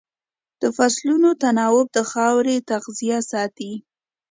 د فصلونو تناوب د خاورې تغذیه ساتي.